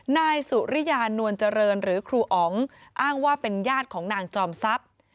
นายสุริยานวลเจริญหรือครูอ๋องอ้างว่าเป็นญาติของนางจอมทรัพย์